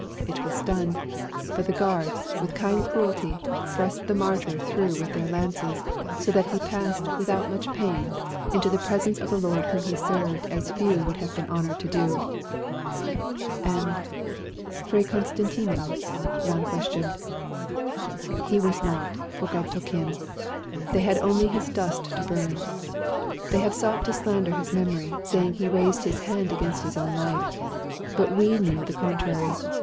It was done; but the guards, with kind cruelty, thrust the martyr through with their lances, so that he passed, without much pain, into the presence of the Lord whom he served as few have been honoured to do." "And Fray Constantino?" Juan questioned. "He was not, for God took him. They had only his dust to burn. They have sought to slander his memory, saying he raised his hand against his own life. But we knew the contrary.